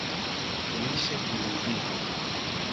ریش دروغی